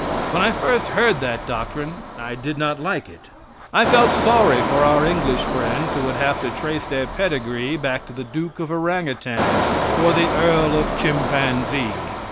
When I first heard that doctrine I did not like it. I felt sorry for our English friends, who would have to trace their pedigree back to the Duke of Orangutan, or the Earl of Chimpanzee.